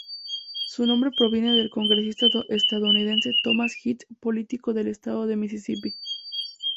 Su nombre proviene del congresista estadounidense Thomas Hinds, político del estado de Misisipi.